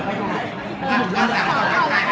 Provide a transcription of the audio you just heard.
ขอบคุณแม่ก่อนต้องกลางนะครับ